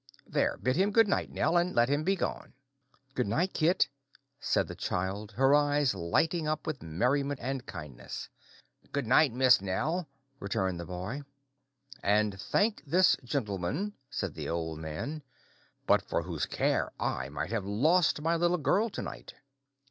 —There, bid him good night, Nell, and let him be gone." "Good night, Kit," said the child, her eyes lighting up with merriment and kindness. "Good night, Miss Nell," returned the boy. "And thank this gentleman," said the old man, "but for whose care I might have lost my little girl to night."